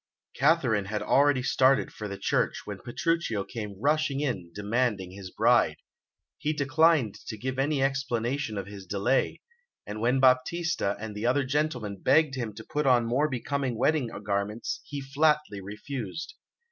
Katharine had already started for the church, when Petruchio came rushing in, demanding his bride. He declined to give any explanation of his delay, and when Baptista and the other gentlemen begged him to put on more becoming wedding garments, he flatly refused.